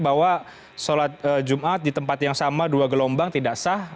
bahwa sholat jumat di tempat yang sama dua gelombang tidak sah